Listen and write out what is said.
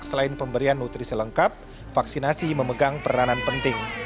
harus memperbaiki pemberian nutrisi lengkap vaksinasi memegang peranan penting